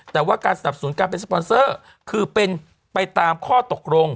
แต่ว่าการสนับสนุนการเป็นสปอนเซอร์คือเป็นไปตามข้อตกลง